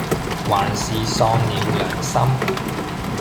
還是喪了良心，